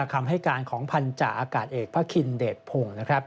คำให้การของพันธาอากาศเอกพระคินเดชพงศ์นะครับ